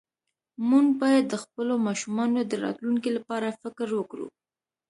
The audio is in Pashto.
مونږ باید د خپلو ماشومانو د راتلونکي لپاره فکر وکړو